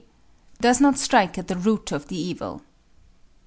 Does not strike at the root of the evil 1.